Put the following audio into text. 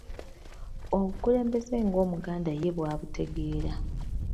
Obukulembeze ng’Omuganda ye bw’abutegeera.